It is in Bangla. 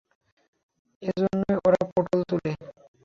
এজন্যই ওরা পটল তুলে।